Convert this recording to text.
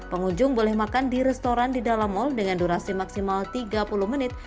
pengunjung boleh makan di restoran di dalam mal dengan durasi maksimal tiga puluh menit